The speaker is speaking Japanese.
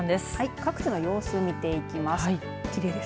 各地の様子を見ていきます。